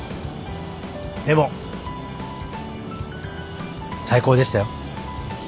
でも最高でしたよ。